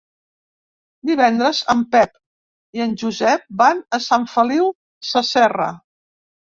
Divendres en Pep i en Josep van a Sant Feliu Sasserra.